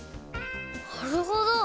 なるほど！